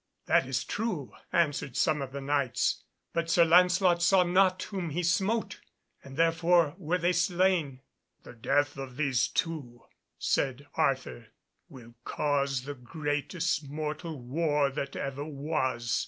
"That is true," answered some of the Knights, "but Sir Lancelot saw not whom he smote, and therefore were they slain." "The death of those two," said Arthur, "will cause the greatest mortal war that ever was.